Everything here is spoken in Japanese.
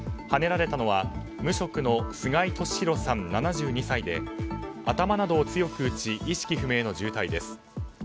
はねられたのは無職の菅井利広さん、７２歳で頭などを強く打ち意識不明の重体です。